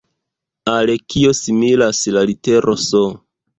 Al kio similas la litero S?